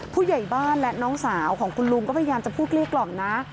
ผู้ใหญ่บ้านและน้องสาวของคุณลุงก็พยายามจะพูดเกลี้กล่อมนะ